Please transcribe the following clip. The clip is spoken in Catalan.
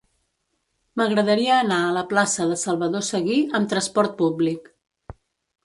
M'agradaria anar a la plaça de Salvador Seguí amb trasport públic.